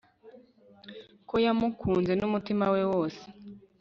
ko yamukunze n'umutima we wose